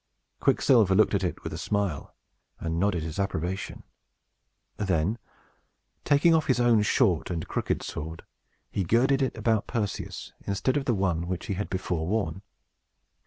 Quicksilver looked at it with a smile, and nodded his approbation. Then, taking off his own short and crooked sword, he girded it about Perseus, instead of the one which he had before worn.